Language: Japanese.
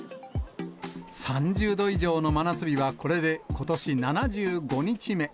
３０度以上の真夏日は、これでことし７５日目。